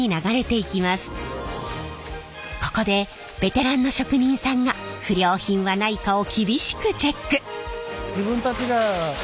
ここでベテランの職人さんが不良品はないかを厳しくチェック。